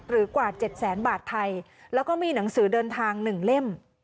กว่า๗แสนบาทไทยแล้วก็มีหนังสือเดินทาง๑เล่ม